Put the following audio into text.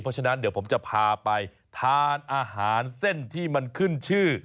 เพราะฉะนั้นเดี๋ยวผมจะพาไปทานอาหารเส้นที่มันขึ้นชื่อ